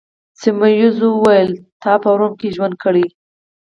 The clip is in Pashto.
سیمونز وویل: تا په روم کي ژوند کړی؟